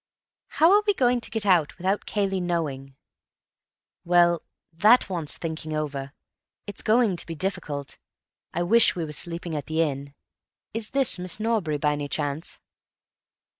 "How are we going to get out without Cayley knowing?" "Well, that wants thinking over. It's going to be difficult. I wish we were sleeping at the inn.... Is this Miss Norbury, by any chance?"